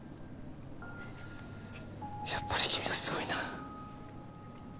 やっぱり君はすごいな